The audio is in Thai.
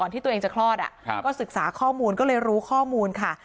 ที่ตัวเองจะคลอดก็ศึกษาข้อมูลก็เลยรู้ข้อมูลค่ะ